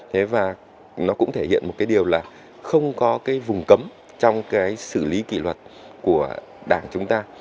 thế và nó cũng thể hiện một cái điều là không có cái vùng cấm trong cái xử lý kỷ luật của đảng chúng ta